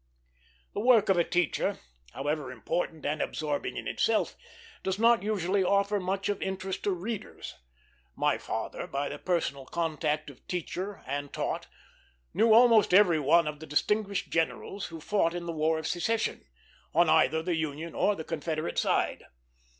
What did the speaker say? The work of a teacher, however important and absorbing in itself, does not usually offer much of interest to readers. My father, by the personal contact of teacher and taught, knew almost every one of the distinguished generals who fought in the War of Secession, on either the Union or the Confederate side.